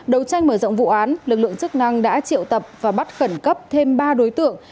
đầu tranh mở rộng vụ án lực lượng chức năng đã triệu tập và bắt khẩn cấp thêm ba đối tượng